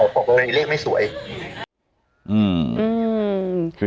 กรณีเลขไม่สวย